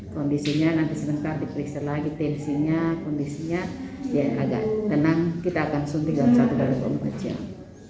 kondisinya nanti sebentar diperiksa lagi tensinya kondisinya ya agak tenang kita akan suntikan satu dari empat jam